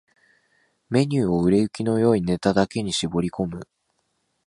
ⅱ メニューを売れ行きの良いネタだけに絞り込む